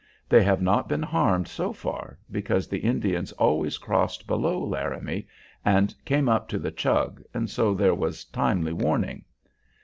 They have not been harmed so far, because the Indians always crossed below Laramie and came up to the Chug, and so there was timely warning.